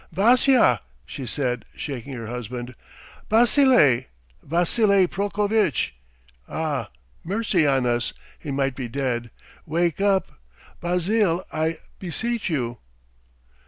"Vassya!" she said, shaking her husband, "Basile! Vassily Prokovitch! Ah! mercy on us, he might be dead! Wake up, Basile, I beseech you!"